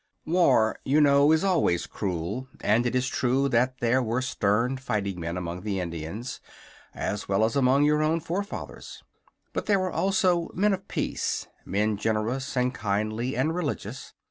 War, you know, is always cruel, and it is true that there were stern fighting men among the Indians, as well as among your own forefathers. But there were also men of peace, men generous and kindly and religious.